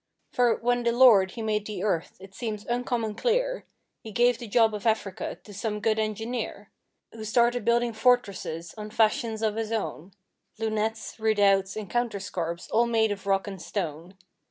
For when the Lord He made the earth, it seems uncommon clear, He gave the job of Africa to some good engineer, Who started building fortresses on fashions of his own Lunettes, redoubts, and counterscarps all made of rock and stone.